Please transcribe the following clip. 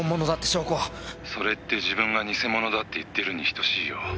「それって自分が偽物だって言ってるに等しいよ」